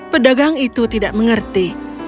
pedagang itu tidak mengerti